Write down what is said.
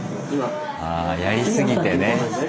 あやりすぎてね。